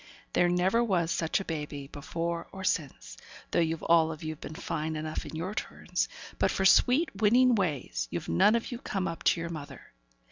There never was such a baby before or since, though you've all of you been fine enough in your turns; but for sweet, winning ways, you've none of you come up to your mother.